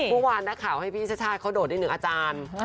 เมื่อวานนักข่าวให้พี่ชาติเขาโดดได้หนึ่งอาจารย์